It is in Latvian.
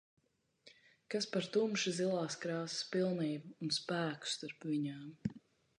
Kas par tumši zilās krāsas pilnību un spēku starp viņām.